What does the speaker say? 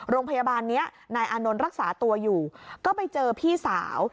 โรงพยาบาลนี้นายอานนท์รักษาตัวอยู่ก็ไปเจอพี่สาว